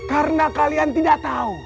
karena kalian tidak tau